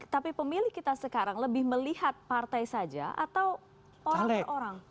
tapi pemilih kita sekarang lebih melihat partai saja atau orang per orang